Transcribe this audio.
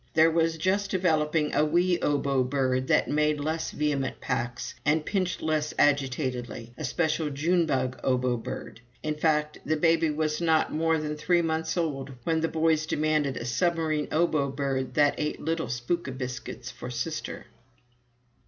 There was just developing a wee Obo Bird, that made less vehement "paks!" and pinched less agitatedly a special June Bug Obo Bird. In fact, the baby was not more than three months old when the boys demanded a Submarine Obo Bird that ate little Spooka biscuits for sister.